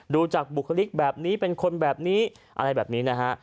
ดูจากบุคลิกแบบนี้เป็นคนแบบนี้อะไรแบบนี้นะฮะ